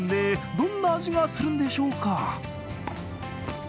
どんな味がするんでしょうか？